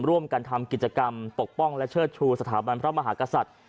ร่วมกันทำกิจกรรมปกป้องและเชิดชูสถาบันพระมหากษัตริย์